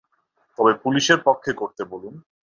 তবে পুলিশের পক্ষে করতে বলুন।